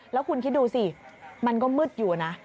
แล้วคุณคิดดูสิมันก็มืดอยู่นะ